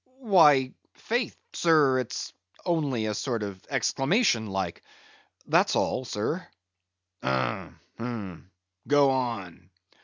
"Why, faith, sir, it's only a sort of exclamation like—that's all, sir." "Um, um; go on."